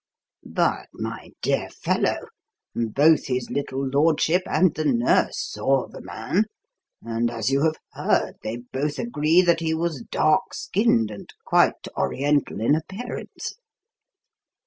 "But, my dear fellow, both his little lordship and the nurse saw the man, and, as you have heard, they both agree that he was dark skinned and quite Oriental in appearance."